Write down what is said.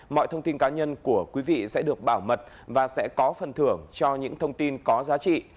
mọi thông tin cá nhân của quý vị sẽ được bảo mật và sẽ có phần thưởng cho những thông tin có giá trị